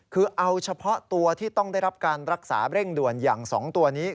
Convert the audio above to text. คือเอาเฉพาะตัวที่ต้องได้รับการรักษาเร่งด่วนอย่าง๒ตัวนี้